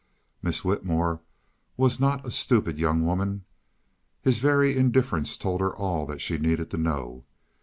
Miss Whitmore was not a stupid young woman; his very indifference told her all that she needed to know.